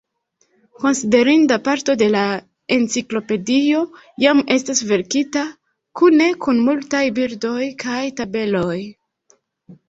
Konsiderinda parto de la enciklopedio jam estas verkita kune kun multaj bildoj kaj tabeloj.